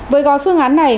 với gói phương án này